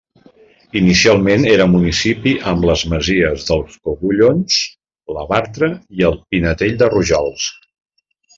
Inicialment era municipi amb les masies dels Cogullons, la Bartra i el Pinetell de Rojals.